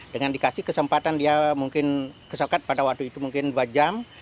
dengan dikasih kesempatan dia mungkin kesokat pada waktu itu mungkin dua jam